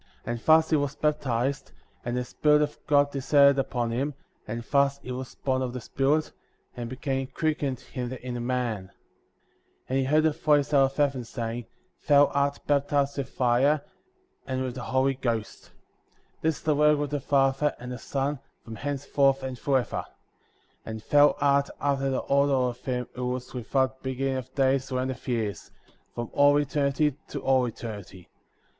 And thus he was baptized,^ and the Spirit of God descended upon him,*' and thus he was bom of the Spirit,*^ and became quickened in the inner man. 66. And he heard a voice* out of heaven, saying : Thou art baptized with fire, and with the Holy Ghost.J' This is the record of the Father, and the Son,^ from henceforth and for ever ; 67. And thou art after the order of him who was without beginning of days or end of years,* from all eternity to all eternity.